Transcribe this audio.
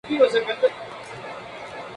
Fue una de los pioneros del Punk Rock femenino.